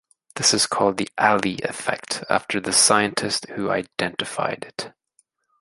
This is called the Allee effect after the scientist who identified it.